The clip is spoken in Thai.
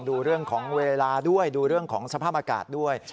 ดูเรื่องของเวลาด้วยดูเรื่องของสภาพอากาศด้วย